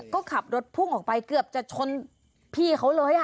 ก็ขับรถพุ่งออกไปเกือบจะชนพี่เขาเลย